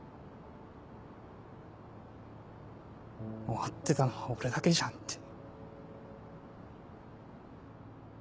終わってたのは俺だけじゃんって。